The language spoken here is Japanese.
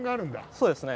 そうですね。